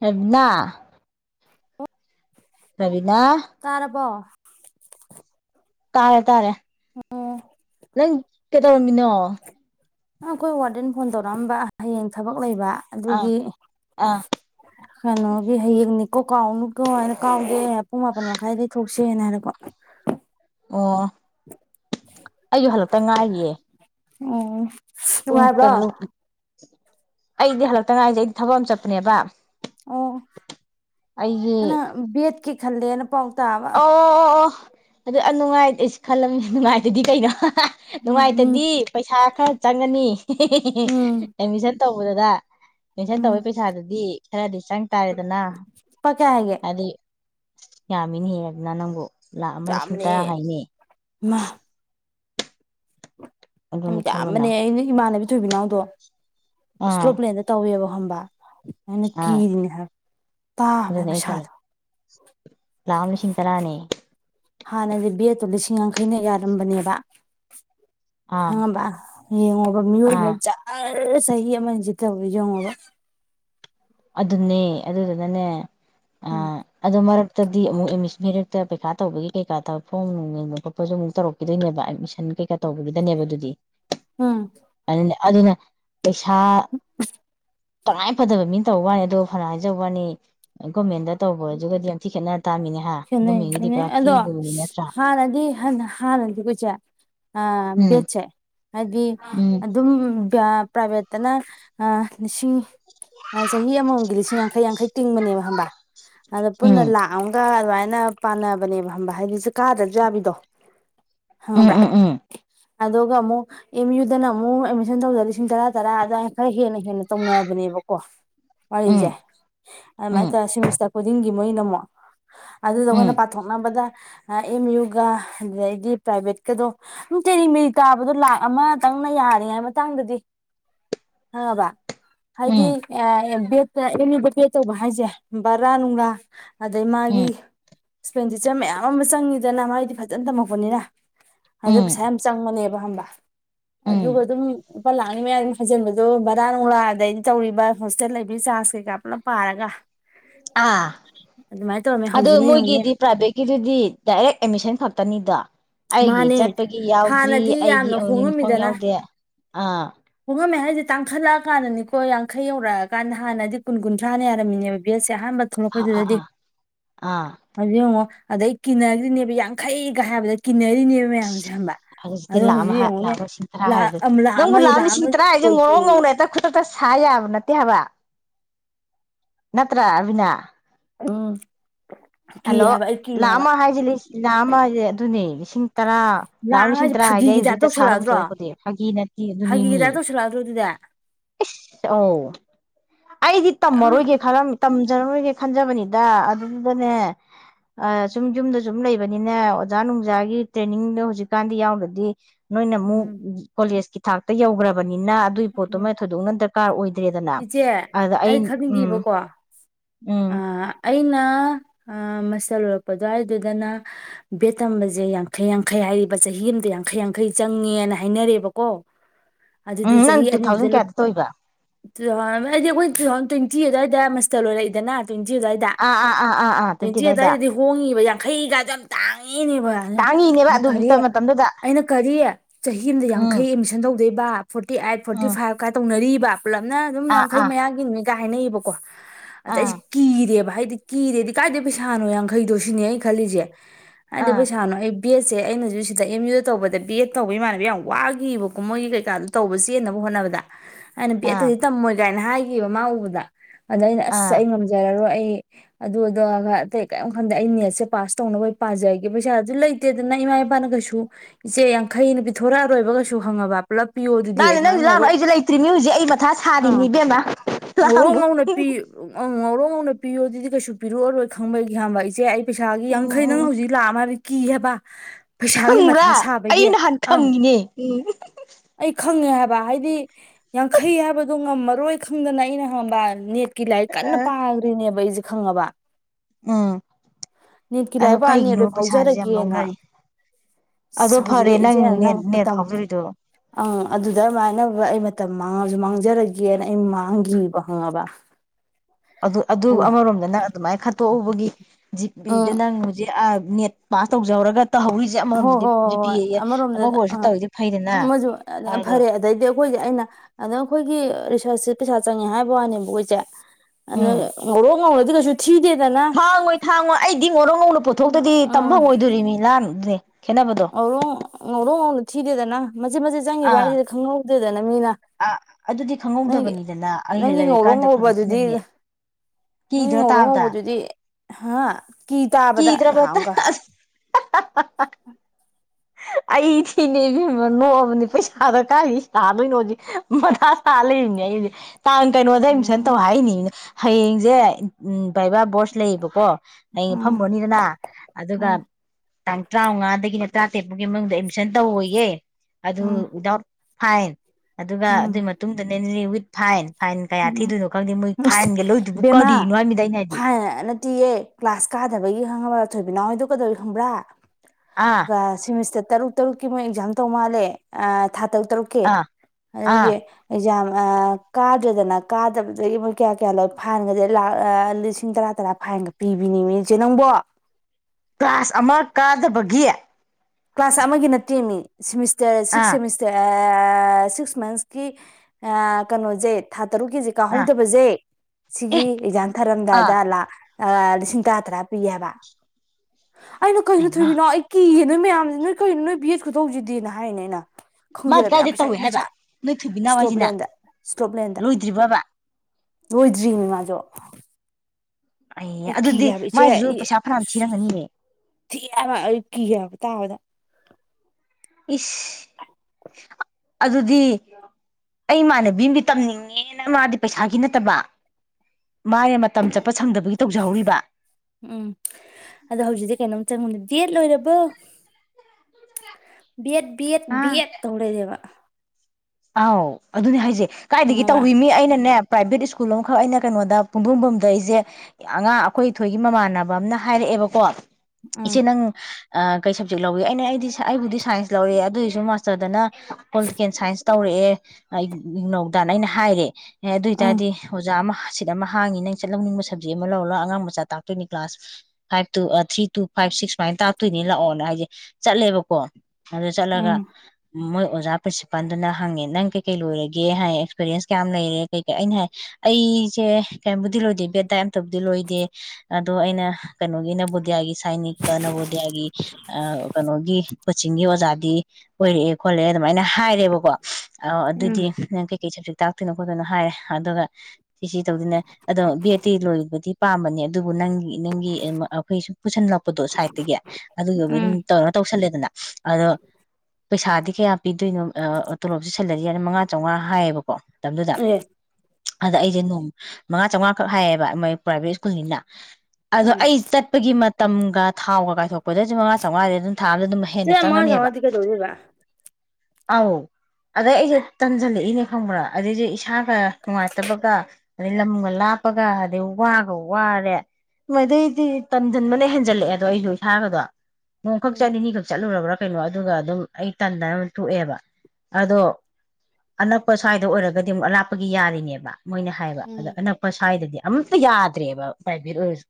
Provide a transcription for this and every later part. ꯔꯕꯤꯅꯥ ꯔꯕꯤꯅꯥ ꯇꯥꯔꯕꯣ ꯇꯥꯔꯦ ꯇꯥꯔꯦ ꯑꯣ ꯀꯩ ꯇꯧꯔꯝꯃꯤꯅꯣ ꯑꯩꯈꯣꯏ ꯋꯥꯔꯗꯦꯟ ꯐꯣꯟ ꯇꯧꯔꯛꯑꯝꯕ ꯍꯌꯦꯡ ꯊꯕꯛ ꯂꯩꯕ ꯑꯥ ꯑꯗꯨꯒꯤ ꯑꯥ ꯀꯩꯅꯣꯒꯤ ꯍꯌꯦꯡꯅꯤ ꯀꯣ ꯀꯥꯎꯅꯨꯀꯣ ꯍꯥꯏꯅ ꯀꯥꯎꯗꯦ ꯄꯨꯡ ꯃꯥꯄꯟ ꯃꯈꯥꯏꯗꯩ ꯊꯣꯛ ꯆꯦꯅꯔꯕꯣ ꯑꯣ ꯑꯩꯖꯨ ꯍꯜꯂꯛꯇ ꯉꯥꯏꯔꯤꯌꯦ ꯑꯣ ꯄꯨꯡ ꯅꯨꯡꯉꯥꯏꯕ꯭ꯔꯣ ꯇꯔꯨꯛ ꯑꯩꯗꯤ ꯍꯜꯂꯛꯇ ꯉꯥꯏꯔꯤ ꯑꯩꯗꯤ ꯊꯕꯛ ꯑꯃ ꯆꯠꯄꯅꯦꯕ ꯑꯣ ꯑꯩꯒꯤ ꯑꯅꯥ ꯕꯦꯠꯀꯤ ꯈꯜꯂꯦꯅ ꯄꯥꯎ ꯇꯥꯕ ꯑꯣ ꯑꯣ ꯑꯣ ꯑꯗꯨ ꯅꯨꯡꯉꯥꯏ ꯑꯩꯁ ꯈꯜꯂꯝꯅꯤꯅ ꯅꯨꯡꯉꯥꯏꯇꯗꯤ ꯀꯩꯅꯣ ꯍꯥ ꯍꯥ ꯎꯝ ꯎꯝ ꯅꯨꯡꯉꯥꯏꯇꯗꯤ ꯄꯩꯁꯥ ꯈꯔ ꯆꯪꯉꯅꯤ ꯍꯤ ꯍꯤ ꯎꯝ ꯑꯦꯃꯤꯁꯟ ꯇꯧꯕꯗꯗ ꯑꯦꯃꯤꯁꯟ ꯎꯝ ꯇꯧꯕꯩ ꯄꯩꯁꯥꯗꯨꯗꯤ ꯈꯔꯗꯤ ꯆꯪ ꯇꯥꯔꯦꯗꯅꯥ ꯂꯨꯄꯥ ꯀꯌꯥ ꯍꯥꯏꯒꯦ ꯍꯥꯏꯗꯤ ꯌꯥꯝ ꯆꯨꯝꯃꯤꯅꯦꯍꯦ ꯔꯕꯤꯅ ꯅꯥꯪꯕꯨ ꯂꯥꯛ ꯑꯃ ꯂꯤꯁꯤꯡ ꯌꯥꯝꯕꯅꯦ ꯇꯔꯥ ꯍꯥꯏꯅꯦ ꯏꯃꯥ ꯑꯁ ꯌꯥꯝ ꯈꯜꯂꯣꯅ ꯌꯥꯝꯕꯅꯦ ꯑꯩꯅ ꯏꯃꯥꯟꯅꯕꯤ ꯊꯣꯏꯕꯤꯅꯥꯎꯗꯣ ꯑꯥ ꯁ꯭ꯂꯣꯄꯂꯦꯟꯗ ꯇꯧꯋꯦ ꯍꯝꯕ ꯍꯅ ꯑꯥ ꯀꯤꯔꯤꯅꯦ ꯍꯥꯏ ꯇꯥꯕꯗ ꯑꯗꯨꯅꯦ ꯑꯩ ꯈꯜꯂꯦ ꯄꯩꯁꯥꯗꯣ ꯂꯥꯛ ꯑꯃ ꯂꯤꯁꯤꯡ ꯇꯔꯥꯅꯦ ꯍꯥꯟꯅꯗꯤ ꯕꯦꯠꯇꯣ ꯂꯤꯁꯤꯡ ꯌꯥꯡꯈꯩꯩꯅ ꯌꯥꯔꯝꯕꯅꯦꯕ ꯑꯥ ꯈꯪꯉꯕ ꯌꯦꯡꯉꯣ ꯕꯥ ꯃꯤ ꯑꯣꯏꯒ ꯑꯥ ꯖꯔ ꯑꯁ ꯆꯍꯤ ꯑꯃ ꯅꯤꯖꯤꯗ ꯇꯧꯌꯤꯖꯦ ꯌꯦꯡꯉꯣꯕ ꯑꯗꯨꯅꯦ ꯑꯗꯨꯗꯨꯅꯅꯦ ꯎꯝ ꯑꯥ ꯑꯗꯨ ꯃꯔꯛ ꯇꯗꯤ ꯑꯃꯨꯛ ꯑꯦꯝꯃꯤꯁ ꯃꯦꯔꯤꯦꯛꯇ ꯄꯩꯈ ꯇꯧꯕꯒꯤ ꯀꯩꯀꯥ ꯐꯣꯝ ꯅꯨꯡ ꯌꯦꯡꯕ ꯈꯣꯠꯄꯁꯨ ꯑꯃꯨꯛ ꯇꯧꯔꯛꯈꯤꯗꯣꯏꯅꯦꯕ ꯑꯦꯠꯃꯤꯁꯟ ꯀꯩꯀꯥ ꯇꯧꯕꯒꯤꯗꯅꯦꯕ ꯑꯗꯨꯗꯤ ꯑꯝ ꯑꯗꯨꯅ ꯑꯗꯨꯅ ꯄꯩꯁꯥ ꯇ꯭ꯔꯥꯏ ꯐꯗꯕ ꯃꯤꯅ ꯇꯧꯋꯅꯤ ꯑꯗꯣ ꯐꯅ ꯍꯥꯏꯖ ꯋꯥꯅꯤ ꯑ ꯒꯣꯃꯦꯟꯗ ꯇꯧꯕꯗꯨꯒꯗꯤ ꯌꯥꯝꯊꯤ ꯆꯦꯠꯅ ꯈꯦꯠꯅꯩꯩ ꯑꯗꯣ ꯅꯠꯇ꯭ꯔꯥ ꯍꯥꯟꯅꯗꯤ ꯍꯟ ꯍꯥꯟꯅꯗꯤ ꯀꯣ ꯏꯆꯦ ꯑ ꯎꯝ ꯕꯦꯠꯁꯦ ꯍꯥꯏꯗꯤ ꯎꯝ ꯑꯗꯨꯝ ꯄ꯭ꯔ ꯄꯔꯥꯏꯕꯦꯠꯇꯅ ꯂꯤꯁꯤꯡ ꯆꯍꯤ ꯑꯃꯃꯝꯒꯤ ꯂꯤꯁꯤꯡ ꯌꯥꯡ ꯌꯥꯡꯈꯩ ꯌꯥꯡꯈꯩ ꯇꯤꯡꯕꯅꯦꯕ ꯍꯕꯥ ꯑꯗꯣ ꯄꯨꯟꯅ ꯎꯝ ꯂꯥꯛ ꯑꯃꯒ ꯑꯗꯨꯃꯥꯏꯅ ꯄꯥꯅꯕꯅꯦꯕ ꯍꯝꯕ ꯍꯥꯏꯗꯤ ꯆꯨ ꯀꯥꯗ꯭ꯔꯁꯨ ꯌꯥꯕꯤꯗꯣ ꯎꯝ ꯈꯪꯉꯕ꯭ꯔꯥ ꯎꯝ ꯎꯝ ꯑꯗꯨꯒ ꯑꯃꯨꯛ ꯑꯦꯝ ꯌꯨꯗꯅ ꯑꯃꯨꯛ ꯑꯦꯗꯃꯤꯁꯟ ꯇꯧꯗ ꯂꯤꯁꯤꯡ ꯇꯔꯥ ꯇꯔꯥ ꯑꯗꯨꯋꯥꯏ ꯈꯔ ꯍꯦꯟꯅ ꯍꯦꯟꯅ ꯇꯧꯅꯔꯕꯅꯦꯕꯀꯣ ꯋꯥꯔꯤꯖꯦ ꯎꯝ ꯑꯃꯥꯏ ꯎꯝ ꯇꯧꯔ ꯁꯤꯃꯤꯁꯇꯔ ꯄꯨꯗꯤꯡꯒꯤ ꯃꯣꯏꯅꯃꯣ ꯑꯗꯨꯗꯣ ꯑꯈꯣꯏꯅ ꯎꯝ ꯄꯥꯠꯊꯣꯛ ꯅꯕꯗ ꯑꯦꯝ ꯌꯨꯒ ꯑꯗꯩꯗꯤ ꯄ꯭ꯔꯥꯏꯚꯦꯠꯀꯗꯣ ꯑꯗꯨꯝ ꯇꯦꯔꯤ ꯃꯦꯔꯤ ꯇꯥꯕꯗꯣ ꯂꯥꯛ ꯑꯃꯇꯪꯅ ꯌꯥꯔꯤꯉꯥꯏ ꯃꯇꯥꯡꯗꯗꯤ ꯈꯪꯉꯕ ꯎꯝ ꯍꯥꯏꯗꯤ ꯎꯝ ꯑ [unintelligible] ꯗ ꯑꯦꯡ ꯌꯨ ꯗ ꯕꯦꯗ ꯇꯧꯕ ꯍꯥꯏꯁꯦ ꯕꯔꯥ ꯅꯨꯡꯔꯥ ꯑꯗꯩ ꯃꯥ ꯍꯏ [unintelligible] ꯎꯝ ꯑꯦꯛꯁꯄꯦꯟꯗꯤꯆꯔ ꯃꯌꯥꯝ ꯑꯃ ꯆꯪꯉꯤꯗꯅ ꯃꯥꯥꯏꯗꯤ ꯐꯖꯅ ꯇꯝꯃꯛꯄꯅꯤꯅ ꯎꯝ ꯑꯗꯨ ꯄꯩꯁꯥ ꯎꯝ ꯌꯥꯝ ꯆꯪꯕꯅꯦ ꯋꯍꯟꯕ ꯑꯗꯨ ꯎꯝ ꯒ ꯑꯗꯨꯝ ꯂꯨꯄꯥ ꯂꯥꯛꯅꯤ ꯃꯌꯥ ꯑꯗꯨ ꯐꯖꯤꯟꯕꯗꯨꯣ ꯕꯔꯥ ꯅꯨꯡꯂꯥ ꯑꯗꯩꯗꯤ ꯇꯧꯔꯤꯕ ꯍꯣꯁꯇꯦꯜ ꯂꯩꯕꯒꯤ ꯆꯥꯔꯖ ꯀꯩꯀꯥ ꯄꯨꯂꯞ ꯄꯥꯔꯒ ꯑꯥ ꯑꯗꯨꯃꯥ ꯑꯗꯣ ꯃꯣꯏꯒꯤꯗꯤ ꯄ꯭ꯔꯥꯏꯚꯦꯠꯀꯤꯗꯨꯗꯤ ꯗꯥꯏꯔꯦꯛ ꯑꯦꯗꯃꯤꯁꯟ ꯈꯛꯇ ꯅꯤꯗ ꯑꯩꯒꯤ ꯃꯥꯅꯦ ꯆꯠꯄꯒꯤ ꯌꯥꯎꯗ꯭ꯔꯤ ꯍꯥꯟꯅꯗꯤ ꯑꯩꯒꯤ ꯌꯥꯝꯅ ꯑꯨꯅꯤꯐꯣꯝ ꯍꯣꯡꯉꯝꯃꯤꯗꯅ ꯌꯥꯎꯗꯦ ꯑꯥ ꯀꯝꯃꯦ ꯍꯥꯏꯗꯤ ꯇꯥꯡꯈꯠꯂꯛꯑ ꯀꯥꯟꯗꯅꯤꯀꯣ ꯌꯥꯡꯈꯩ ꯌꯧꯔꯛꯑꯀꯥꯟꯗ ꯍꯥꯟꯅꯗꯤ ꯀꯨꯟ ꯀꯨꯟꯊ꯭ꯔꯥꯅ ꯌꯥꯔꯝꯅꯦꯕ ꯕꯦꯁ ꯑꯍꯥꯟꯕ ꯑꯥ ꯑꯥ ꯊꯣꯛꯂꯛꯄꯗꯨꯗꯗꯤ ꯑꯥ ꯑꯥ ꯍꯧꯖꯤꯛ ꯌꯦꯡꯉꯣ ꯑꯗꯩ ꯀꯤꯟꯅꯔꯤꯅꯦꯕ ꯌꯥꯡꯈꯩꯒ ꯍꯥꯏꯕꯗ ꯇꯤꯟꯅꯔꯤꯅꯦꯕ ꯃꯌꯥꯝꯁꯦ ꯍꯕ ꯍꯧꯖꯤꯛꯇꯤ ꯑꯗꯣ ꯂꯥꯛ ꯑꯃ ꯍꯧꯖꯤꯛ ꯌꯦꯡꯉꯣꯅꯦ ꯂꯥꯛ ꯂꯥꯛ ꯂꯥꯛ ꯑꯃ ꯂꯥꯛ ꯀꯔꯥꯏꯗꯩꯩ ꯉꯣꯔꯣꯛ ꯂꯣꯏꯗꯦꯌꯦ ꯉꯧꯅ ꯍꯦꯛꯇ ꯈꯨ ꯍꯦꯇ ꯁꯥ ꯌꯥꯕ ꯅꯠꯇꯦ ꯍꯥꯏꯕ ꯅꯠꯇ꯭ꯔꯕꯤꯅ ꯎꯝ ꯀꯤ ꯍꯜꯂꯣ ꯍꯥꯏꯕ ꯑꯩ ꯀꯤ ꯂꯥꯈ ꯍꯥꯏꯕ ꯑꯃ ꯍꯥꯏꯁꯤ ꯂꯥ ꯑꯃ ꯍꯥꯏꯁꯦ ꯑꯗꯨꯅꯤ ꯂꯤꯁꯤꯡ ꯇꯔꯥ ꯂꯥꯛ ꯑꯃ ꯂꯤꯁꯤꯡ ꯇꯔꯥ ꯍꯥꯏꯁꯦ ꯐꯥꯒꯤꯒꯤ ꯑꯩ ꯇꯥꯏꯞ ꯍꯧꯖꯤꯛꯇ ꯁꯥꯔ ꯇꯧꯁꯜꯂꯛꯑꯗ꯭ꯔꯣ ꯄꯨꯊꯣꯛꯑꯦꯀꯗꯤ ꯐꯥꯒꯤ ꯅꯠꯇꯦ ꯑꯗꯨꯅꯤ ꯐꯥꯒꯤꯒꯤ ꯃꯤ ꯇꯥꯏꯞ ꯇꯧꯁꯜꯂꯛꯑꯗ꯭ꯔꯣ ꯑꯗꯨꯗꯤ ꯏꯁꯁ ꯑꯧ ꯑꯩꯗꯤ ꯇꯝꯃꯔꯣꯏꯒꯦ ꯀꯩꯝ ꯈꯜꯂꯝ ꯇꯝ ꯇꯝꯖꯔꯣꯏꯒꯦ ꯈꯟꯖꯕꯅꯤꯗ ꯑꯗꯨꯗꯨꯗꯅꯦ ꯑꯥꯥ ꯁꯨꯝ ꯌꯨꯝꯗ ꯁꯨꯝ ꯂꯩꯕꯅꯤꯅ ꯑꯣꯖꯥ ꯅꯨꯡꯖꯥꯒꯤ ꯇ꯭ꯔꯦꯅꯤꯡꯗꯣ ꯍꯧꯖꯤꯛꯀꯥꯟꯗꯤ ꯌꯥꯎꯗꯗꯤ ꯅꯣꯏꯅ ꯃꯨ ꯎꯝ ꯀꯣꯂꯦꯁꯀꯤ ꯊꯥꯛꯇ ꯌꯧꯈ꯭ꯔꯕꯅꯤ ꯅꯤꯅ ꯑꯗꯨꯏ ꯎꯝ ꯄꯣꯠꯇꯨꯃꯥ ꯊꯣꯏꯗꯣꯛꯅ ꯗꯔ ꯥ ꯀ ꯑꯣꯏ ꯗꯦꯗꯅ ꯏꯆꯦ ꯑꯗ ꯑꯩ ꯎꯝ ꯎꯝ ꯑꯥ ꯑꯩꯅ ꯃꯁꯇꯔ ꯂꯣꯏꯨꯔꯛꯄ ꯑꯗꯨꯋꯥꯏꯗꯨꯗꯅ ꯕꯦꯠ ꯇꯝꯕꯁꯦ ꯌꯥꯡꯈꯩ ꯌꯥꯡꯈꯩ ꯍꯥꯏꯔꯤꯕ ꯆꯍꯤ ꯑꯃꯗ ꯌꯥꯡꯈꯩ ꯌꯥꯡꯈꯩ ꯆꯪꯉꯦꯅ ꯍꯥꯏꯅꯔꯦꯕꯀꯣ ꯎꯝ ꯅꯪ ꯇꯨ ꯊꯥꯎꯖꯟ ꯀꯌꯥ ꯇꯧꯔꯤꯕ ꯇꯨ ꯊꯥꯎꯟ ꯍꯥꯏꯗꯤ ꯑꯩꯈꯣꯏ ꯇꯨ ꯊꯥꯎꯖꯟ ꯇ꯭ꯋꯦꯟꯇꯤ ꯑꯗꯨꯋꯥꯏꯗ ꯃꯁꯇꯔ ꯂꯣꯏꯔꯛꯏꯗꯅ ꯇ꯭ꯋꯦꯟꯇꯤ ꯑꯗꯨꯋꯥꯏꯗ ꯑꯥ ꯑꯥ ꯑꯥ ꯑꯥ ꯑꯥ ꯇ꯭ꯋꯦꯟꯇꯤ ꯑꯗꯥꯏꯗ ꯑꯗ꯭ꯋꯥꯏꯗꯗꯤ ꯍꯣꯡꯉꯤꯕ ꯌꯥꯡꯈꯩ ꯀꯥꯏꯗꯣ ꯌꯥꯝ ꯇꯥꯡꯉꯤꯅꯦꯕ ꯑꯗꯨ ꯇꯥꯡꯉꯤꯅꯦꯕ ꯑꯩꯅ ꯀꯔꯤ ꯑꯗꯨꯕꯨꯛꯇ ꯃꯇꯝꯗꯨꯗ ꯑꯩꯅ ꯀꯔꯤ ꯆꯍꯤ ꯑꯝꯗ ꯎꯝ ꯌꯥꯡꯈꯩ ꯑꯦꯃꯤꯁꯟ ꯇꯧ [unintelligible] ꯐꯣꯔꯇꯤꯑꯩꯠ ꯎꯝ ꯐꯣꯔꯇꯤꯐꯥꯏꯚ ꯀꯥꯏ ꯇꯧꯅꯔꯤ ꯄꯨꯜꯂꯞꯅ ꯑꯗꯨꯝ ꯑꯥ ꯌꯥꯡꯈꯩ ꯑꯥ ꯃꯌꯥꯒꯤ ꯃꯤꯠ ꯀ ꯍꯥꯏꯅꯩꯕꯀꯣ ꯑꯁ ꯑꯩ ꯑꯥ ꯀꯤꯔꯦꯕ ꯍꯥꯏꯗꯤ ꯀꯤꯔꯦꯗꯤ ꯀꯥꯏꯗꯩ ꯄꯩꯁꯥꯅꯣ ꯌꯥꯡꯈꯩꯗꯣ ꯁꯤꯅꯦ ꯑꯩ ꯈꯜꯂꯤꯁꯦ ꯑꯗꯤ ꯑꯥ ꯄꯩꯁꯥꯅꯣ ꯑꯩ ꯕꯤ ꯑꯦꯗꯁꯦ ꯑꯩꯅꯁꯨꯖꯤ ꯁꯤꯗ ꯑꯦꯝ ꯌꯨꯗ ꯇꯧꯕꯗ ꯕꯤ ꯑꯦꯗ ꯇꯧꯕ ꯏꯃꯅꯕ ꯌꯥꯝ ꯋꯥꯈꯤꯕꯀꯣ ꯃꯣꯏꯒꯤ ꯀꯩꯀꯥꯗꯣ ꯇꯧꯕ ꯆꯦꯟꯅꯕ ꯍꯣꯠꯅꯕꯗ ꯑꯩꯅ ꯑꯥ ꯇꯦ ꯇꯝꯃꯣꯏ [unintelligible] ꯀꯥꯏꯅ ꯍꯥꯏꯈꯤꯕ ꯃꯥ ꯎꯕꯗ ꯑꯗ ꯑꯩꯅ ꯑꯁ ꯑꯥ ꯑꯩ ꯉꯝꯖꯔꯔꯣꯏ ꯑꯩ ꯑꯗꯨ ꯑꯗꯨꯅ ꯑꯇꯩ ꯀꯦꯝ ꯈꯪꯗꯦ ꯑꯩ ꯅꯦꯠꯁꯦ ꯄꯥꯁ ꯇꯧꯅꯕ ꯑꯣꯏ ꯄꯥꯖꯒꯦ ꯄꯩꯁꯥꯁꯨ ꯂꯩꯇꯦꯗꯅ ꯏꯃꯥ ꯏꯄꯥꯅ ꯀꯩꯁꯨ ꯏꯆꯦ ꯌꯥꯡꯈꯩꯗꯣ ꯄꯤꯊꯣꯔꯛꯑꯔꯣꯏꯕ ꯀꯩꯁꯨ ꯈꯪꯉꯕ ꯄꯨꯂꯞ ꯄꯤꯌꯣ ꯑꯗꯨꯗꯤ ꯅꯥꯟꯅꯦ ꯑꯗꯨꯃꯥꯏꯅ ꯅꯪꯗꯤ ꯂꯥꯛꯥꯟꯕ ꯉꯧꯔꯣꯛ ꯑꯩꯁꯨ ꯂꯩꯇ꯭ꯔꯤ ꯃꯤ ꯍꯧꯖꯤꯛ ꯑꯩ ꯃꯊꯥ ꯑꯥ ꯁꯔꯤꯅꯤ ꯏꯕꯦꯝꯃꯥ ꯂꯥꯡꯅꯨ ꯅꯧꯅ ꯄꯤꯌꯣ ꯑꯗꯨꯗꯤ ꯀꯩꯁꯨ ꯄꯤꯔꯛꯑꯔꯣꯏ ꯈꯪꯕꯒꯤ ꯈꯕ ꯑꯩꯁꯦ ꯄꯩꯁꯥꯒꯤ ꯎꯝ ꯌꯥꯡꯈꯩ ꯅꯪ ꯎꯝ ꯍꯧꯖꯤꯛ ꯂꯥꯛꯑꯝ ꯗꯤ ꯀꯤ ꯍꯥꯏꯕ ꯄꯩꯁꯥꯒꯤ ꯃꯊꯥ ꯈꯪꯕ꯭ꯔꯥ ꯁꯥꯕꯒꯤ ꯑꯩ ꯅꯍꯥꯟ ꯑꯪ ꯈꯪꯉꯤꯅꯦ ꯑꯩ ꯈꯪꯉꯦ ꯍꯥꯏꯕ ꯍꯥꯏꯗꯤ ꯌꯥꯡ ꯈꯩ ꯍꯥꯏꯕꯗꯣ ꯉꯝꯃꯔꯣꯏ ꯈꯪꯗꯅ ꯑꯩꯅ ꯍꯪꯕ ꯅꯤꯠ ꯂꯥꯢꯔꯛ ꯀꯟꯅ ꯄꯥꯈ꯭ꯔꯤꯅꯦꯕ ꯑꯩꯁꯦ ꯈꯪꯉꯥꯕ ꯎꯝ ꯑꯗꯨ ꯂꯥꯏꯔꯤꯛ ꯄꯥ ꯅꯦꯠ ꯀꯩꯒꯤꯅꯣ ꯂꯣꯏ ꯄꯩꯁꯥꯁꯦ ꯌꯥꯝ ꯐꯥꯎꯖꯔꯒꯦꯅ ꯂꯧꯅꯔꯤ ꯑꯗꯣ ꯑꯁ ꯐꯔꯦ ꯍꯧꯖꯤꯛꯇꯤ ꯏꯆꯦ ꯅꯪ ꯅ ꯅꯦꯠ ꯃꯇꯝ ꯐꯥꯎꯖꯔꯤꯗꯣ ꯑꯪ ꯑꯗꯨꯗ ꯑꯗꯨꯃꯥꯏꯅꯅꯕ ꯑꯩ ꯃꯇꯝ ꯃꯥꯡꯉꯁꯨ ꯃꯥꯡꯖꯔꯒꯦꯅ ꯑꯩ ꯃꯥꯡꯈꯟꯈꯤꯕ ꯈꯪꯉꯕ ꯑꯗꯨ ꯑꯗꯨ ꯑꯗꯣ ꯑꯃꯔꯣꯝꯗ ꯅ ꯑꯗꯨꯃꯥꯏꯅ ꯈꯠꯇꯣꯛꯎꯕꯒꯤ ꯎꯝ ꯖꯤꯞꯄꯤꯗ ꯅꯪ ꯍꯧꯖꯤꯛ ꯑ ꯅꯦꯠ ꯄꯥꯁ ꯇꯧꯖꯍꯧꯔꯒ ꯇꯧꯍꯧꯔꯤꯁꯦ ꯍꯣꯏ ꯑꯃꯔꯣꯝꯗꯗꯤ ꯍꯣꯏ ꯍꯣꯏ ꯖꯤꯄꯦ ꯍꯣꯏ ꯑꯃꯕꯨ ꯑꯃꯔꯣꯝꯗ ꯑꯣꯏꯔꯁꯨ ꯑꯥ ꯇꯧꯔꯤꯗꯤ ꯐꯩꯗꯅ ꯑꯃꯖꯨ ꯑꯗꯨꯒ ꯐꯔꯦ ꯑꯗꯩꯗꯤ ꯑꯩꯈꯣꯏꯒꯤ ꯑꯩꯅ ꯑꯗ ꯑꯩꯈꯣꯏꯒꯤ ꯔꯤꯁꯔꯁꯁꯤ ꯄꯩꯁꯥ ꯆꯪꯉꯦ ꯍꯥꯏꯕ ꯋꯥꯅꯦꯕ ꯍꯣꯢꯁꯦ ꯑꯗꯣ ꯎꯝ ꯑꯩ ꯉꯧꯔꯣꯛ ꯉꯧ [unintelligible] ꯊꯥꯡꯉꯣꯏ ꯊꯥꯡꯉꯣꯏ ꯑꯩꯗꯤ ꯉꯧꯔꯣꯛ ꯉꯧꯅ ꯄꯨꯊꯣꯛꯇꯗꯤ ꯇꯝ ꯐꯝꯉꯣꯏꯗꯣꯔꯤꯅꯦꯅ ꯑꯩꯔꯣꯡ ꯉꯧꯔꯣꯛ ꯉꯧꯅ ꯇꯤꯗꯦꯗꯅ ꯃꯆꯠ ꯃꯆꯦꯠꯉꯤꯕ ꯑꯥ ꯍꯥꯏꯁꯤ ꯈꯪꯍꯧ ꯑꯗꯨꯗ ꯃꯤꯅ ꯑꯥ ꯑꯗꯨꯗꯤ ꯅꯪꯒꯤ ꯈꯪꯍꯧꯗꯕꯅꯤꯗꯅ ꯑꯩꯅ ꯂꯩꯔꯀꯥꯟꯗ ꯈ ꯈꯛ ꯁꯤꯟꯅꯃꯦ ꯅꯪ ꯉꯧꯔꯣꯛ ꯉꯧꯕꯗꯨꯗꯤ ꯍꯥꯥ ꯀꯗ꯭ꯔꯕ ꯍꯥꯍꯥ ꯍꯦ ꯑꯩꯗꯤ ꯊꯤꯅꯦ ꯅꯣꯑꯕꯅꯤ ꯄꯩꯁꯥꯗꯣ ꯀꯥꯏꯒꯤ ꯁꯥꯗꯣꯏꯅꯣꯖꯤ ꯃꯊꯥ ꯁꯥ ꯂꯩꯕꯅꯦ ꯑꯩ ꯖꯦ ꯇꯥꯡ ꯀꯩꯅꯣꯗ ꯑ꯭ꯗꯃꯤꯁꯅ ꯎꯝ ꯇꯧ ꯍꯥꯏꯅꯤꯅ ꯍꯌꯦꯡꯖꯦ ꯕꯏꯕꯥ ꯕꯣꯔꯁ ꯂꯩꯌꯦꯕꯀꯣ ꯍꯌꯦꯡ ꯎꯝ ꯐꯝꯃꯨꯔꯅꯤꯗꯅ ꯑꯗꯨꯒ ꯎꯝ ꯇꯥꯡ ꯇꯔꯥꯃꯉꯥ ꯗꯒꯤꯅ ꯇꯔꯥ ꯇꯔꯦꯛ ꯄꯨꯒꯤ ꯃꯅꯨꯡꯗ ꯑꯦꯗꯃꯤꯁꯟ ꯇꯧꯌꯣꯌꯦ ꯑꯗꯨ ꯎꯝ ꯐꯥꯏꯟ ꯑꯗꯨꯒ ꯑꯗꯨꯏ ꯃꯇꯨꯡꯗꯅꯦ ꯅꯤ ꯋꯤꯠ ꯐꯥꯏꯟ ꯐꯥꯏꯟ ꯀꯌꯥ ꯎꯝ ꯊꯤꯗꯣꯏꯅꯣ ꯈꯪꯗꯦ ꯃꯣꯏ ꯑꯁ ꯐꯥꯏꯟꯒ ꯂꯣꯏꯗꯨꯕꯨ ꯕꯦꯝꯃ ꯀꯔꯤꯅꯣ ꯍꯥꯏꯃꯤꯗ ꯑꯩꯅ ꯍꯥꯏꯗꯤ ꯐꯥꯏꯟ ꯅꯠꯇꯤꯌꯦ ꯀ꯭ꯂꯥꯁ ꯀꯥꯗꯕꯒꯤ ꯈꯪꯉꯕ ꯊꯣꯏꯕꯤꯅꯥꯎ ꯍꯣꯏꯗꯣ ꯀꯩꯗꯧꯋꯤ ꯈꯪꯕ꯭ꯔꯥ ꯑꯥ ꯀ꯭ꯂꯥ ꯁꯤꯃꯤꯁꯇꯔ ꯇꯔꯨꯛ ꯇꯔꯨꯛꯀꯤ ꯃꯣꯏ ꯑꯦꯛꯖꯥꯝ ꯇꯧ ꯃꯥꯜꯂꯦ ꯊꯥ ꯇꯔꯨꯛ ꯇꯔꯨꯛꯀꯤ ꯑꯥ ꯑꯥ ꯑꯗꯨꯒꯤ ꯑꯦꯛꯖꯥꯝ ꯑꯥ ꯀꯥ ꯇ꯭ꯔꯦꯗꯅ ꯀꯥꯗꯕꯗꯒꯤ ꯃꯣꯏ ꯀꯌꯥ ꯀꯌꯥ ꯂꯧꯏ ꯐꯥꯏꯟꯒꯖꯦ ꯂꯥꯛ ꯑꯥ ꯂꯤꯁꯤꯡ ꯇꯔꯥ ꯇꯔꯥ ꯐꯥꯏꯟꯒ ꯄꯤꯕꯤꯅꯦꯃꯤ ꯏꯆꯦ ꯅꯪꯕꯣ ꯀ꯭ꯂꯥꯁ ꯑꯃ ꯀꯥꯗꯕꯒꯤ ꯀ꯭ꯂꯥꯁ ꯑꯃꯒꯤ ꯅꯠꯇꯦꯃꯤ ꯁꯤꯃꯤꯁꯇꯔ ꯁꯤꯛꯁ ꯁꯤꯃꯤꯁꯇꯔ ꯑꯥ ꯁꯤꯛꯁ ꯃꯟꯁꯀꯤ ꯑ ꯀꯅꯣꯖꯦ ꯊꯥ ꯇꯔꯨꯛꯀꯤꯖꯦ ꯑꯥ ꯀꯥꯍꯧꯗꯕꯖꯦ ꯑꯦ ꯁꯤꯒꯤ ꯑꯦꯛꯖꯥꯝ ꯑꯥ ꯊꯥꯔꯝꯗꯥꯏꯗ ꯂꯥꯛ ꯑꯥ ꯂꯤꯁꯤꯡ ꯇꯔꯥ ꯇꯔꯥ ꯄꯤ ꯍꯥꯏꯕ ꯑꯩꯅ ꯀꯩꯅꯣ ꯍꯩꯃꯥ ꯊꯣꯏꯕꯤꯅꯥꯎ ꯑꯩ ꯀꯤꯌꯦ ꯅꯣꯏ ꯃꯌꯥꯝ ꯅꯣꯏ ꯀꯩꯅꯣ ꯅꯣꯏ ꯕꯤꯑꯦꯗ ꯈꯨꯇꯧꯖꯤꯗꯤꯅ ꯍꯥꯏꯔꯤꯅꯦ ꯑꯩꯅ ꯈꯪꯗꯦ ꯃꯥꯗꯤ ꯔꯕꯤꯅ ꯀꯥꯏꯗ ꯄꯩꯁꯥꯒꯤ ꯇꯧꯏ ꯍꯥꯏꯕ ꯄꯩꯁꯥ ꯅꯣꯏ ꯊꯣꯏꯕꯤ ꯅꯥꯎꯍꯣꯏꯁꯤꯅ ꯏꯁ꯭ꯂꯣꯞꯂꯦꯟꯗ ꯏꯁ꯭ꯂꯣꯞꯂꯦꯟꯗ ꯂꯣꯏꯗ꯭ꯔꯤꯕꯕ ꯂꯣꯏꯗ꯭ꯔꯤꯃꯤ ꯃꯥꯖꯨ ꯑꯦ ꯑꯩ ꯀꯤ ꯑꯗꯨꯗꯤ ꯍꯥꯏꯕ ꯏꯆꯦ ꯃꯥꯏꯁꯨ ꯑꯩ ꯏꯁ ꯄꯩꯁꯥ ꯐꯅꯌꯥꯝ ꯊꯤꯔꯝꯒꯅꯤꯌꯦ ꯊꯤꯅ ꯀꯤ ꯍꯥꯏꯕ ꯇꯥꯎ ꯍꯣꯏꯗ ꯏꯁ ꯑꯗꯨꯗꯤ ꯑꯩ ꯃꯥꯟꯅꯕꯤ ꯑꯃꯗꯤ ꯇꯝꯅꯤꯡꯉꯦꯅ ꯃꯥꯗꯤ ꯄꯩꯁꯥꯒꯤ ꯅꯠꯇꯕ ꯃꯥꯅꯦ ꯃꯇꯝ ꯆꯞ ꯎꯝ ꯑꯗꯣ ꯍꯧꯖꯤꯛꯇꯤ ꯀꯩꯅꯣꯝ ꯆꯪꯉꯨꯅꯤ ꯇꯤꯌꯦꯗ ꯂꯣꯏꯔꯕꯣ ꯕꯤꯑꯦꯠ ꯕꯤꯑꯦꯠ ꯕꯤꯑꯦꯗ ꯇꯧ ꯂꯩꯔꯦꯕ ꯑꯥꯎ ꯑꯗꯨꯅꯦ ꯍꯥꯏꯖꯦ ꯀꯥꯏꯗꯒꯤ ꯈꯪꯉꯕ ꯇꯧꯏ ꯃꯤ ꯑꯩꯅꯅꯦ ꯄ꯭ꯔꯥꯏꯚꯦꯠ ꯁ꯭ꯀꯨꯜ ꯑꯃꯈꯛ ꯑꯩꯅ ꯀꯩꯅꯣꯗ ꯄꯨꯡꯗꯣꯡꯕꯝꯗ ꯑꯩꯖꯦ ꯑꯉꯥꯡ ꯑꯩꯈꯣꯏ ꯏꯊꯣꯏꯒꯤ ꯃꯃꯥꯟꯅꯕ ꯑꯃꯅ ꯍꯥꯏꯔꯛꯑꯦꯕꯀꯣ ꯎꯝ ꯏꯆꯦ ꯅꯪ ꯑꯥ ꯀꯩ ꯁꯕꯖꯦꯛ ꯂꯧꯋꯦ ꯑꯩꯅ ꯑꯩꯗꯤ ꯑꯩꯕꯨꯗꯤ ꯁꯥꯏꯟꯁ ꯂꯧꯔꯛꯑꯦ ꯑꯗꯨꯏꯖꯨ ꯃꯥꯁꯇꯔꯗꯅ ꯄꯣꯂꯤꯇꯤꯀꯦꯟ ꯁꯥꯏꯟꯁ ꯑꯦ ꯑꯩ ꯏꯒꯅꯧꯗ ꯑꯩꯅ ꯍꯥꯏꯔꯦ ꯑꯦ ꯑꯗꯨ ꯎꯝ ꯑꯣꯏꯇꯥꯔꯗꯤ ꯑꯣꯖꯥ ꯑꯃ ꯁꯤꯠ ꯑꯃ ꯍꯥꯡꯉꯤ ꯅꯪ ꯆꯠ ꯂꯧꯅꯤꯡꯕ ꯁꯕꯖꯦꯛ ꯑꯃ ꯂꯧꯔꯨꯂꯥꯎ ꯑꯉꯥꯡ ꯃꯆꯥ ꯇꯥꯛꯇꯣꯏꯅꯤ class five two three two five six ꯁꯨꯃꯥꯏꯅ ꯇꯥꯛꯇꯣꯏꯅꯤ ꯂꯥꯛꯑꯣꯅ ꯑꯩꯁꯦ ꯆꯠꯂꯦꯕꯀꯣ ꯑꯗ ꯆꯠꯂꯒ ꯎꯝ ꯃꯣꯏ ꯑꯣꯖꯥ ꯄ꯭ꯔꯤꯟꯁꯤꯄꯥꯜꯗꯨꯅ ꯍꯪꯉꯦ ꯅꯪ ꯀꯩ ꯀꯩ ꯂꯣꯏꯔꯒꯦ ꯍꯥꯏ ꯑꯦꯛꯁꯄꯤꯔꯤꯟꯁ ꯀꯌꯥꯝ ꯂꯩꯔꯦ ꯀꯩꯀꯩ ꯑꯩꯅ ꯍꯥꯏ ꯑꯩꯁꯦ ꯀꯥꯏꯝꯕꯨꯗꯤ ꯂꯣꯏꯗꯦ ꯕꯦꯠꯗꯥꯏꯠ ꯑꯝꯇꯕꯨꯗꯤ ꯂꯣꯏꯗꯦ ꯑꯗꯣ ꯑꯩꯅ ꯀꯩꯅꯣꯒꯤ ꯅꯚꯣꯗꯤ꯭ꯌꯥꯒꯤ ꯁꯥꯏꯅꯤꯛꯀ ꯅꯚꯣꯗꯤꯌꯥꯒꯤ ꯀꯩꯅꯣꯒꯤ ꯀꯣꯆꯤꯡꯒꯤ ꯑꯣꯖꯥꯗꯤ ꯑꯣꯏꯔꯛꯑꯦ ꯈꯣꯠꯂꯛꯑꯦ ꯑꯗꯨꯃꯥꯏꯅ ꯍꯥꯏꯔꯦꯕ ꯑꯧ ꯎꯝ ꯑꯗꯨꯗꯤ ꯅꯪ ꯀꯩꯀꯩ ꯁꯕꯖꯦꯛ ꯇꯥꯛꯇꯅ ꯈꯣꯠꯇꯅ ꯍꯥꯏꯌꯦ ꯑꯗꯨꯒ ꯁꯤ ꯁꯤ ꯇꯧꯗꯅꯦ ꯑꯗꯣ ꯕꯤ ꯑꯦ ꯇꯤ ꯂꯣꯏꯕꯗꯤ ꯄꯥꯝꯕꯅꯦ ꯑꯗꯨꯕꯨ ꯅꯪꯒꯤ ꯅꯪꯒꯤ ꯑꯩꯈꯣꯏ ꯁꯨꯝ ꯄꯨꯁꯜꯂꯛꯄꯗꯣ ꯁꯥꯏꯠꯇꯒꯤ ꯑꯗꯨꯒꯤ ꯑꯣꯏꯕꯩ ꯑꯗꯨꯝ ꯎꯝ ꯇꯧꯔ ꯇꯧꯁꯜꯂꯦꯗꯅ ꯑꯗꯣ ꯄꯩꯁꯥꯗꯤ ꯀꯌꯥ ꯄꯤꯗꯣꯏꯅꯣ ꯑꯥ ꯇꯣꯂꯣꯞꯁꯤ ꯁꯦꯜꯂꯔꯤ ꯃꯉꯥꯆꯧꯉꯥ ꯍꯥꯏꯌꯦꯕꯀꯣ ꯇꯝꯗꯨꯗ ꯑꯦ ꯑꯗ ꯑꯩꯁꯦ ꯅꯣꯡ ꯃꯉꯥꯆꯧꯉꯥꯈꯛ ꯍꯥꯏꯌꯦꯕ ꯃꯣꯏ ꯄ꯭ꯔꯥꯏꯚꯦꯠ ꯁ꯭ꯀꯨꯜꯅꯤꯅ ꯑꯗꯣ ꯎꯝ ꯑꯩ ꯆꯠꯄꯒꯤ ꯃꯠ ꯇꯝꯒ ꯊꯥꯎꯒ ꯀꯥꯏꯊꯣꯛ ꯄꯣꯏꯂꯔꯁꯨ ꯃꯉꯥꯆꯉꯥꯗꯤ ꯑꯗꯨꯝ ꯊꯥ ꯑꯃꯗ ꯑꯗꯨꯝ ꯆꯦ ꯍꯦꯟꯅ ꯃꯉꯥ ꯆꯪꯉꯅꯦꯕ ꯆꯥꯝꯃꯉꯥꯗꯤ ꯀꯩꯗꯧꯗꯣꯏꯕ ꯑꯧ ꯑꯗꯩ ꯑꯩꯁꯦ ꯇꯟꯖꯜꯂꯛꯑꯦꯅꯦ ꯈꯪꯕ꯭ꯔꯥ ꯑꯗꯨꯗꯏꯗꯤ ꯏꯁꯥꯒ ꯅꯨꯡꯉꯥꯏꯇꯕꯒ ꯑꯗꯩ ꯂꯝꯒ ꯂꯥꯞꯄꯒ ꯑꯗꯩ ꯋꯥꯒ ꯋꯥꯔꯦ ꯃꯗꯩꯗꯤ ꯇꯟꯖꯟꯕꯅ ꯍꯦꯟꯖꯜꯂꯛꯑꯦꯗꯣ ꯑꯩꯁꯨ ꯏꯁꯥꯒꯗꯣ ꯅꯣꯡꯈꯛ ꯎꯝ ꯆꯠ ꯅꯤꯅꯤ ꯈꯛ ꯆꯠꯂꯨꯔꯒ ꯀꯩꯅꯣ ꯑꯗꯨꯒ ꯑꯗꯨꯝ ꯑꯩ ꯇꯟꯗꯅ ꯑꯗꯨ ꯇꯣꯛꯑꯦꯕ ꯑꯗꯣ ꯑꯅꯛꯄ ꯁ꯭ꯋꯥꯏꯗ ꯑꯣꯏꯔꯒꯗꯤ ꯑꯃꯨꯛ ꯑꯔꯥꯞꯄꯒꯤ ꯌꯥꯔꯤꯅꯦꯕ ꯃꯣꯏꯅ ꯍꯥꯏꯕ ꯎꯝ ꯑꯗꯣ ꯑꯅꯛꯄ ꯁ꯭ꯋꯥꯏꯗꯗꯤ ꯑꯝꯇ ꯌꯥꯗ꯭ꯔꯦꯕ ꯄ꯭ꯔꯥꯏꯚꯦꯠ ꯑꯣꯏꯔꯁꯨ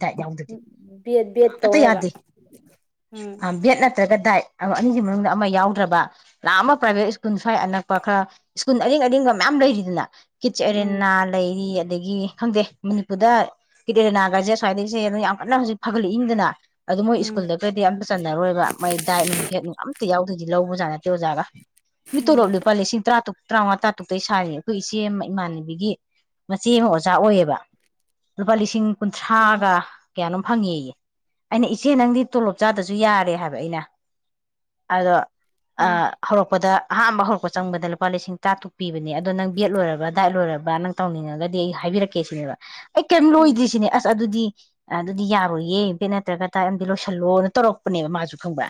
ꯗꯥꯏꯠ ꯌꯥꯎꯗꯗꯤ ꯕꯤ ꯑꯦꯗ ꯕꯤ ꯑꯦꯗ ꯇꯧ ꯑꯃꯠꯇ ꯂꯩꯕ ꯌꯥꯗꯦ ꯎꯝ ꯕꯦꯠ ꯅꯠꯇ꯭ꯔꯒ ꯗꯥꯏꯠ ꯑꯅꯤꯁꯤ ꯃꯅꯨꯡꯗ ꯑꯃ ꯌꯥꯎꯗ꯭ꯔꯕ ꯂꯥꯛꯑ ꯑꯃ ꯄ꯭ꯔꯥꯏꯚꯦꯠ ꯁ꯭ꯀꯨꯜ ꯁ꯭ꯋꯥꯏ ꯑꯅꯛꯄ ꯈꯔ ꯁ꯭ꯀꯨꯜ ꯑꯔꯤꯡ ꯑꯔꯤꯡꯕ ꯃꯌꯥꯝ ꯂꯩꯔꯤꯗꯅ ꯎꯝ ꯀꯤꯆꯑꯦꯔꯦꯅꯥ ꯂꯩꯔꯤ ꯑꯗꯒꯤ ꯈꯪꯗꯦ ꯃꯅꯤꯄꯨꯔꯗ ꯀꯤꯗꯑꯦꯔꯦꯅꯒꯁꯦ ꯑꯁ꯭ꯋꯥꯏꯗꯩꯁꯦ ꯌꯥꯝ ꯀꯟꯅ ꯍꯧꯖꯤꯛ ꯐꯒꯠꯂꯛꯏꯗꯅ ꯑꯗꯨ ꯃꯣꯏ ꯎꯝ ꯁ꯭ꯀꯨꯜꯗ ꯗꯒꯗꯤ ꯑꯝꯇ ꯆꯟꯅꯔꯣꯏꯕ ꯃꯥꯏ ꯗꯥꯏꯠ ꯅꯨꯡ ꯕꯦꯠ ꯅꯨꯡ ꯑꯝꯇ ꯌꯥꯎ ꯑꯗꯨꯗꯤ ꯂꯧꯕꯖꯥꯠꯂ ꯑꯣꯖꯒꯥ ꯃꯤ ꯎꯝ ꯇꯨꯂꯣꯕ ꯂꯨꯄꯥ ꯂꯤꯁꯤꯡ ꯇ꯭ꯔꯥꯇꯨꯛ ꯇꯔꯥꯃꯉꯥ ꯇꯥꯇꯨꯛꯇꯩ ꯁꯥꯏꯌꯦ ꯑꯩꯈꯣꯏ ꯏꯆꯦ ꯑꯃ ꯏꯃꯥꯟꯅꯕꯤꯒꯤ ꯃꯆꯦ ꯑꯃ ꯑꯣꯖꯥ ꯑꯣꯏꯌꯦꯕ ꯂꯨꯄꯥ ꯂꯤꯁꯤꯡ ꯎꯝ ꯀꯨꯟꯊ꯭ꯔꯥꯒ ꯀꯌꯥꯅꯣꯝ ꯐꯪꯉꯦꯌꯦ ꯑꯩꯅ ꯏꯆꯦ ꯅꯪꯗꯤ ꯇꯣꯂꯣꯞ ꯆꯥꯗꯁꯨ ꯌꯥꯔꯦ ꯍꯥꯏꯕ ꯑꯩꯅ ꯑꯗꯣ ꯑ ꯎꯝ ꯍꯧꯔꯛꯄꯗ ꯑꯍꯥꯥꯟꯕ ꯍꯧꯔꯛꯄ ꯆꯪꯕꯗ ꯂꯨꯄꯥ ꯂꯤꯁꯤꯡ ꯇꯔꯥꯇꯨꯛ ꯄꯤꯕꯅꯦ ꯑꯗꯣ ꯅꯪ ꯕꯤ ꯑꯦꯠ ꯂꯣꯏꯔꯕ ꯗꯥꯏꯠ ꯂꯣꯏꯔꯕ ꯅꯪ ꯇꯧꯅꯤꯡꯉꯒꯗꯤ ꯑꯩ ꯍꯥꯏꯕꯤꯔꯛꯀꯦ ꯁꯤꯅꯦꯕ ꯑꯩ ꯀꯩꯝ ꯎꯝ ꯂꯣꯏꯗ꯭ꯔꯤꯁꯤꯅꯦ ꯑꯁ ꯑꯗꯨ ꯑꯗꯨꯗꯤ ꯑꯗꯨꯗꯤ ꯌꯥꯔꯣꯏꯌꯦ ꯕꯤ ꯑꯦꯠ ꯅꯠꯇ꯭ꯔꯒ ꯗꯥꯢꯠ ꯑꯝꯗꯤ ꯂꯣꯏꯁꯤꯜꯂꯣꯅ ꯇꯧꯔꯛꯄꯅꯦꯕ ꯃꯥꯁꯨ ꯈꯪꯕ꯭ꯔ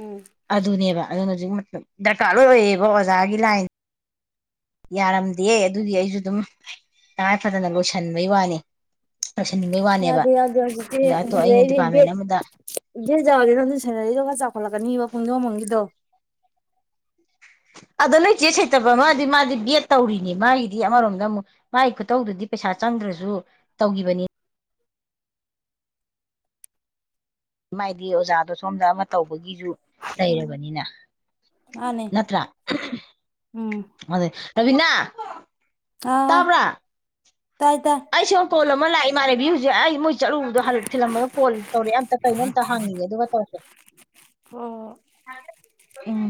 ꯎꯝ ꯑꯗꯨꯅꯦꯕ ꯑꯗꯨ ꯍꯧꯖꯤꯛ ꯃꯇ ꯗꯔꯀꯥꯔ ꯂꯣꯢ ꯑꯣꯏꯌꯦꯕ ꯑꯣꯖꯥꯒꯤ ꯂꯥꯏꯟ ꯌꯥꯔꯝꯗꯦ ꯑꯗꯨꯗꯤ ꯑꯩꯁꯨ ꯑꯗꯨꯝ ꯇꯉꯥꯏ ꯐꯗꯅ ꯂꯣꯏꯁꯤꯟꯕꯩ ꯋꯥꯅꯦ ꯌꯥꯗꯦ ꯌꯥꯗꯦ ꯍꯧꯖꯤꯛꯇꯤ ꯑꯗ ꯑꯇꯣ ꯑꯗꯨꯛ ꯑꯩꯅ ꯑꯩꯗꯤ ꯗꯤꯄꯥꯔꯠꯃꯦꯟ ꯕꯦꯠ ꯑꯃꯗ ꯕꯦꯠ ꯌꯥꯎꯔꯗꯤ ꯅꯪꯁꯨ ꯁꯦꯂꯥꯔꯤꯗꯣ ꯈ꯭ꯔ ꯆꯥꯎꯈꯠꯂꯛꯀꯅꯤꯕ ꯄꯨꯡꯗꯣꯕꯝꯒꯤꯗꯣ ꯑꯗꯨ ꯅꯣꯢꯆꯦ ꯁꯦ ꯅꯠꯇꯕ ꯃꯥꯗꯤ ꯃꯥꯗꯤ ꯕꯦꯠ ꯇꯧꯔꯤꯅꯦ ꯃꯥꯒꯤꯗꯤ ꯑꯃꯔꯣꯝꯗ ꯑꯃꯨꯛ ꯃꯥꯒꯤ ꯈꯨꯇꯧꯗꯨꯗꯤ ꯄꯩꯁꯥ ꯆꯪꯗ꯭ꯔꯁꯨ ꯇꯧꯈꯤꯕꯅꯤ ꯃꯥꯏꯗꯤ ꯑꯣꯖꯥꯗꯣ ꯁꯣꯝꯗ ꯑꯃ ꯇꯧꯕꯒꯤꯁꯨ ꯎꯝ ꯂꯩꯔꯕꯅꯤꯅ ꯃꯥꯅꯦ ꯅꯠꯇ꯭ꯔꯥ ꯎꯝ ꯑꯝ ꯑꯗ ꯔꯕꯤꯅꯥ ꯑꯥ ꯇꯥꯕ꯭ꯔꯥ ꯇꯥꯏ ꯇꯥꯏ ꯑꯩ ꯁꯣꯝ ꯀꯣꯜ ꯑꯃ ꯂꯥꯛꯑꯦ ꯢꯃꯥꯅꯦꯕꯤ ꯍꯧꯖꯤꯛ ꯑꯩ ꯃꯣꯢ ꯆꯠꯂꯨꯕꯗꯣ ꯍꯜ ꯊꯤꯜꯂꯝꯃꯒ ꯀꯣꯜ ꯇꯧꯔꯛꯑꯦ ꯑꯝꯇ ꯀꯩꯅꯣ ꯑꯝꯇ ꯍꯪꯒꯤꯒꯦ ꯑꯗꯨꯒ ꯇꯧꯔꯛꯀꯦ ꯑꯣ ꯎꯝ